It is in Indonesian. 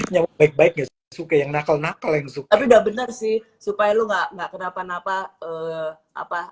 nyamuk baik baik suka yang nakal nakal yang suka bener sih supaya lu nggak kenapa napa apa